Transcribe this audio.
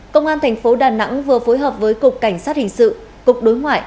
công an thành phố đà nẵng vừa phối hợp với cục cảnh sát hình sự cục đối ngoại